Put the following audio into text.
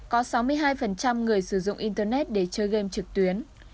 có sáu mươi hai người sử dụng internet để chơi game trực tuyến